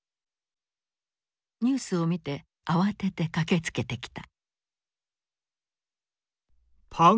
ニュースを見て慌てて駆けつけてきた。